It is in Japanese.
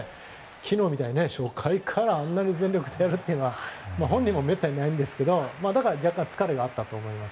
昨日みたいに初回からあんなに全力でやるというのは本人には疲れがないんですけどあったと思います。